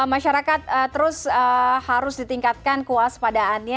masyarakat terus harus ditingkatkan kuas padaan